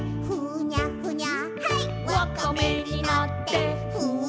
ふにゃふにゃ。